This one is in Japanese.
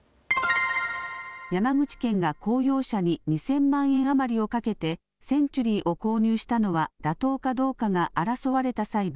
山口県が公用車に２０００万円余りをかけてセンチュリーを購入したのは妥当かどうかが争われた裁判。